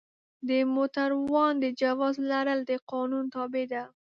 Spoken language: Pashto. د موټروان د جواز لرل د قانون تابع ده.